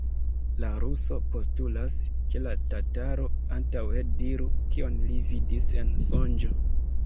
La ruso postulas, ke la tataro antaŭe diru, kion li vidis en sonĝo.